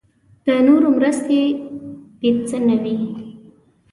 د نورو مرستې بې څه نه وي.